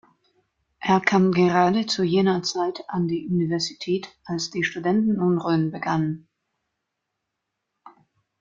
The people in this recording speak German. Er kam gerade zu jener Zeit an die Universität, als die Studentenunruhen begannen.